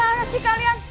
gimana sih kalian